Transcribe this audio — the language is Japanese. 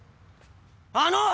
あの！